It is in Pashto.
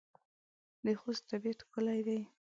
د خوست طبيعت ښکلی دی.